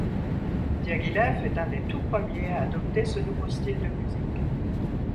Diaghilev est un des tout premiers à adopter ce nouveau style de musique.